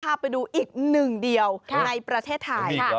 พาไปดูอีกหนึ่งเดียวในประเทศไทย